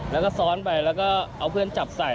แล้วก็ซ้อนไปแล้วก็เอาเพื่อนจับใส่